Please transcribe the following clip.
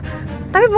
tapi bukan ibu